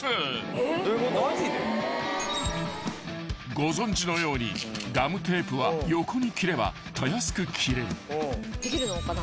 ［ご存じのようにガムテープは横に切ればたやすく切れる］